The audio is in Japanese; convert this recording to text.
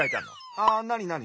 ああなになに？